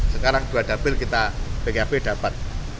sekarang dua dapil kita bap dapat